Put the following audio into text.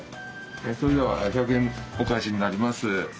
それでは１００円お返しになります。